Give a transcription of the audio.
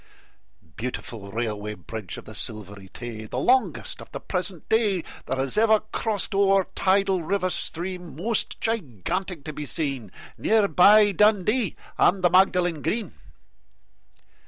Beautiful Railway Bridge of the Silvery Tay! The longest of the present day That has ever crossed o'er a tidal river stream, Most gigantic to be seen, Near by Dundee and the Magdalen Green.